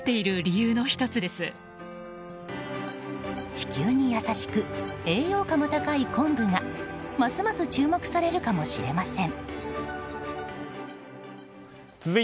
地球に優しく栄養価も高い昆布がますます注目されるかもしれません。